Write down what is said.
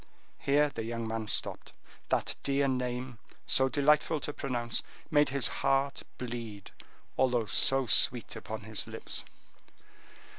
Here the young man stopped. That dear name, so delightful to pronounce, made his heart bleed, although so sweet upon his lips.